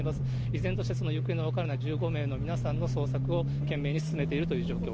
依然として、行方の分からない１５名の皆さんの捜索を懸命に進めているという状況。